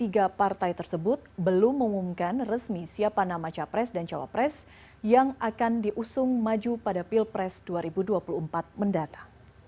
tiga partai tersebut belum mengumumkan resmi siapa nama capres dan cawapres yang akan diusung maju pada pilpres dua ribu dua puluh empat mendata